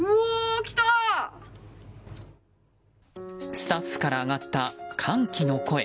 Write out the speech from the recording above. スタッフから上がった歓喜の声。